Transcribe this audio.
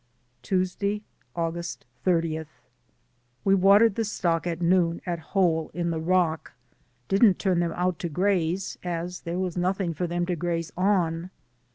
Tuesday, August 30. We watered the stock at noon at Hole in the rock. Didn't turn them out to graze, as there was nothing for them to graze on.